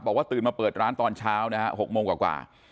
ตื่นมาเปิดร้านตอนเช้านะฮะ๖โมงกว่า